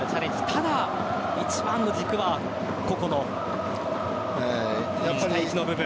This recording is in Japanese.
ただ、一番の軸は個々の一対一の部分。